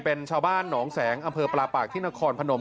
เป็นชาวบ้านหนองแสงอำเภอปลาปากที่นครพนม